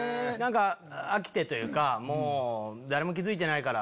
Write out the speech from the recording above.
飽きてというか誰も気付いてないから。